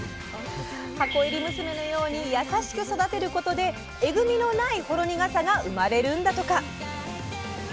箱入り娘のように優しく育てることでえぐみのないほろ苦さが生まれるんだとか。